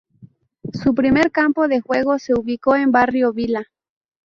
Su primer campo de juego se ubicó en Barrio Vila.